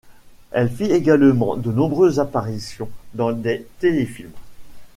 Elle fit également de nombreuses apparitions dans des téléfilms.